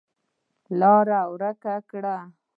لاره ورکه کړه.